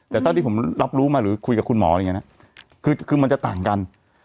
แต่เท่าที่ผมรับรู้มาหรือคุยกับคุณหมออะไรอย่างนี้นะคือมันจะต่างกัน